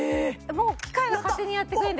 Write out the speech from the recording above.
もう機械が勝手にやってくれる？